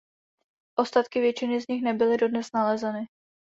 Ostatky většiny z nich nebyly dodnes nalezeny.